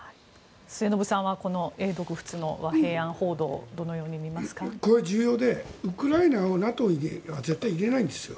末延さんはこの英独仏の和平案報道をこれは重要でウクライナをＮＡＴＯに絶対に入れないんですよ。